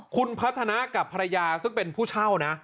คุณพัฒนากับภรรยาซึ่งเป็นผู้เช่านะ